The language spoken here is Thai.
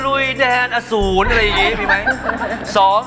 ลุยแดนอสูรอะไรอย่างนี้มีไหม